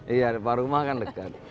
iya depan rumah kan dekat